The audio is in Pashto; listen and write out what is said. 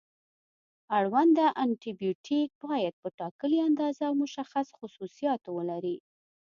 اړونده انټي بیوټیک باید په ټاکلې اندازه او مشخص خصوصیاتو ولري.